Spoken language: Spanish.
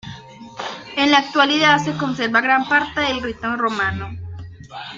En la actualidad se conserva gran parte del rito romano.